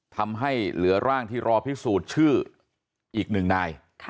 ทำให้เหลือร่างที่รอพิสูจน์ชื่ออีกหนึ่งนาย